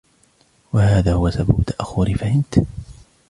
هذا هو سبب تأخري "فهمت"